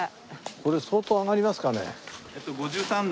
これ相当上がりますかね？